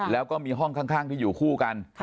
แล้วก็มีห้องข้างที่อยู่คู่กัน